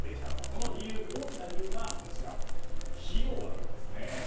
その理由が、費用なんですね。